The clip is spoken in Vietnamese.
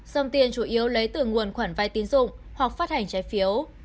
dòng tiền chủ yếu lấy từ nguồn khoản vay tiến dụng hoặc phát hành trái phiếu